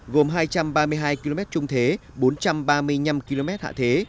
gồm hai trăm ba mươi hai km trung thế bốn trăm ba mươi năm km hạ thế